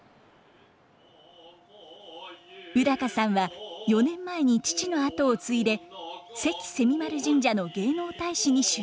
宇さんは４年前に父の跡を継いで関蝉丸神社の芸能大使に就任。